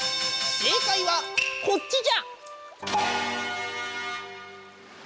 正解はこっちじゃ。